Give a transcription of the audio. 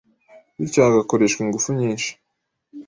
bityo hagakoreshwa ingufu nyinshi